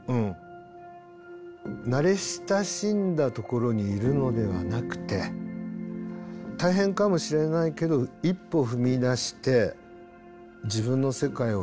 慣れ親しんだところにいるのではなくて大変かもしれないけど一歩踏み出して自分の世界を広げていく。